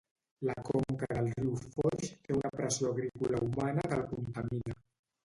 La conca del riu Foix té una pressió agrícola humana que el contamina.